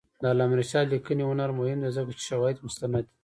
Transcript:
د علامه رشاد لیکنی هنر مهم دی ځکه چې شواهد مستند دي.